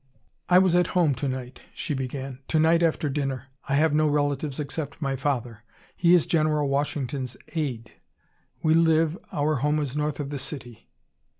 "I was at home to night," she began. "To night after dinner. I have no relatives except my father. He is General Washington's aide. We live our home is north of the city.